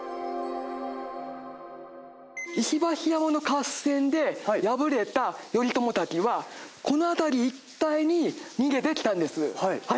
石橋山の合戦で敗れた頼朝たちはこの辺り一帯に逃げてきたんです。